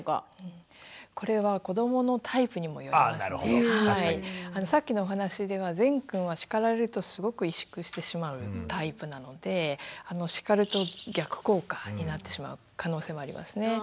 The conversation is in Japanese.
これはさっきのお話ではぜんくんは叱られるとすごく萎縮してしまうタイプなので叱ると逆効果になってしまう可能性もありますね。